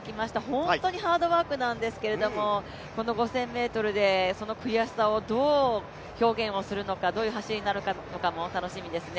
本当にハードワークなんですけれども、この５０００ｍでその悔しさをどう表現するのか、どういう走りになるのかも楽しみですね。